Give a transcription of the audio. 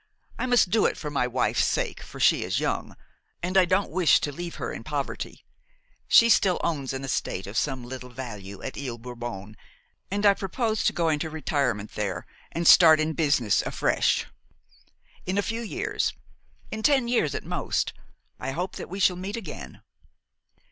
I must do it for my wife's sake, for she is young, and I don't wish to leave her in poverty. She still owns an estate of some little value at Ile Bourbon, and I propose to go into retirement there and start in business afresh. In a few years–in ten years at most–I hope that we shall meet again."